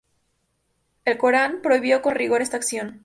El "Corán" prohibió con rigor esta acción.